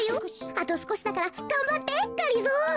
あとすこしだからがんばってがりぞー。